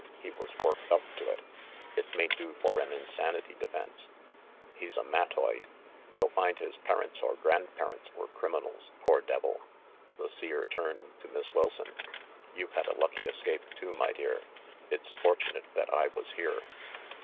He was worked up to it. It may do for an insanity defense." "He's a mattoid. You'll find his parents or grand parents were criminals, poor devil!" The Seer turned to Miss Wilson. "You've had a lucky escape, too, my dear. It's fortunate that I was here."